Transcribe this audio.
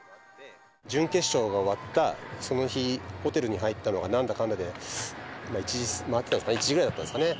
準決勝が終わったその日、ホテルに入ったのが、なんだかんだで１時回ってたのかな、１時過ぎだったんですね。